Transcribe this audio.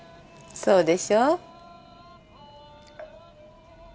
そうでしょう？